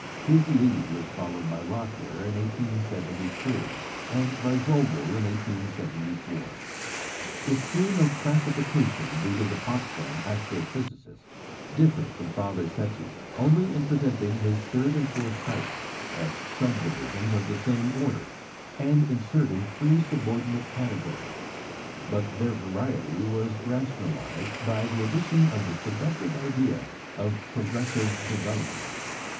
His lead was followed by Lockyer in 1873, and by Vogel in 1874. The scheme of classification due to the Potsdam astro physicist differed from Father Secchi's only in presenting his third and fourth types as subdivisions of the same order, and in inserting three subordinate categories; but their variety was "rationalised" by the addition of the seductive idea of progressive development.